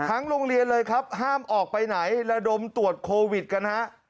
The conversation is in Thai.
โรงเรียนเลยครับห้ามออกไปไหนระดมตรวจโควิดกันฮะ